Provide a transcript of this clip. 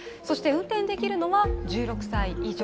運転できるのは１６歳以上。